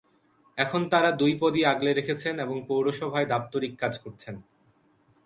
এখন তাঁরা দুই পদই আগলে রেখেছেন এবং পৌরসভায় দাপ্তরিক কাজ করছেন।